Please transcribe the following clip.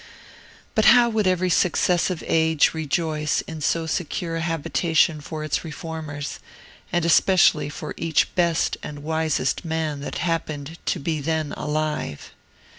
But how would every successive age rejoice in so secure a habitation for its reformers, and especially for each best and wisest man that happened to be then alive!